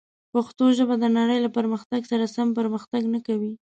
پښتو ژبه د نړۍ له پرمختګ سره سم پرمختګ نه کوي.